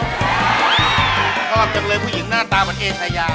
ชอบจังเลยผู้หญิงหน้าตาเหมือนเอชายา